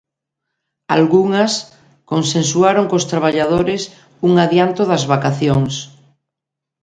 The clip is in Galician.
Algunhas consensuaron cos traballadores un adianto das vacacións.